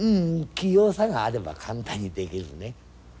器用さがあれば簡単に出来るね。